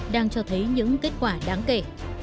đang cho thấy những kết quả đáng kể